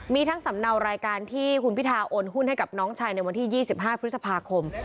มีทั้งสำเนารายการที่คุณพิธาโอนหุ้นให้กับน้องชายในวันที่๒๕พฤษภาคม